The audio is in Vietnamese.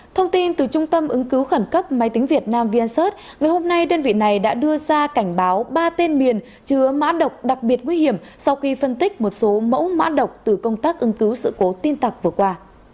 thông tin từ trung tâm ứng cứu khẩn cấp máy tính việt nam vncert ngày hôm nay đơn vị này đã đưa ra cảnh báo ba tên miền chứa mã độc đặc biệt nguy hiểm sau khi phân tích một số mẫu mã độc từ công tác ứng cứu sự cố tin tặc vừa qua